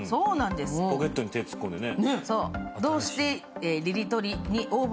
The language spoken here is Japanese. ポケットに手を突っ込んでね。